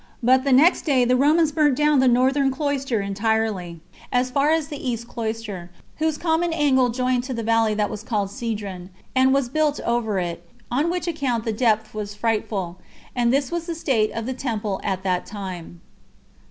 But the next day the Romans burnt down the northern cloister entirely, as far as the east cloister, whose common angle joined to the valley that was called Cedron, and was built over it; on which account the depth was frightful. And this was the state of the temple at that time.